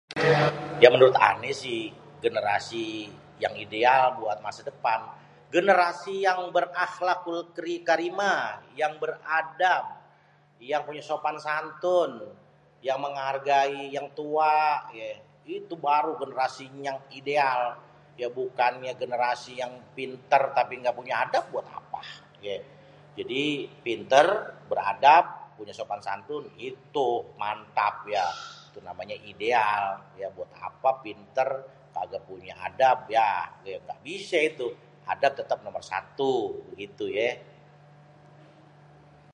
yang menurut ané si, generasi yang ideal buat masa depan. Generasi yang bèr-akhlakul karimah, yang beradab, yang punya sopan santun, yang menghargai yang tua. itu baru generasi nyang ideal. ya bukan yang generasi yang pintèr tapi gak punya adab buat apa gitu. Jadi pintêr, beradab, punya sopan santun gitu mantap ya, itu namanya ideal. ya buat apa pintér kaga punya adab ya ga bisé itu adab tètèp nomor satu bigitu yéé.